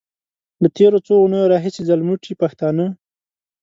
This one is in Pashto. له تېرو څو اونيو راهيسې ځلموټي پښتانه.